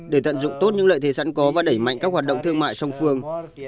để tận dụng tốt những lợi thế sẵn có và đẩy mạnh các hoạt động thương mại song phương